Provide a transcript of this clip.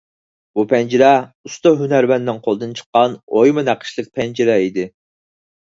بۇ پەنجىرە ئۇستا ھۈنەرۋەننىڭ قولىدىن چىققان ئويما نەقىشلىك پەنجىرە ئىدى.